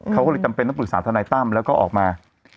เขาก็เลยจำเป็นต้องปรึกษาทนายตั้มแล้วก็ออกมา